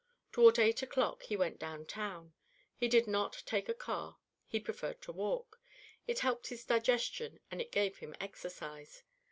Toward eight o'clock he went downtown. He did not take a car; he preferred to walk; it helped his digestion and it gave him exercise.